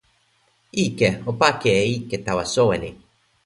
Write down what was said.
ike, o pake e ike tawa soweli!